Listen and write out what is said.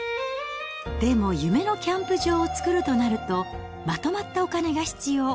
でも夢のキャンプ場を作るとなると、まとまったお金が必要。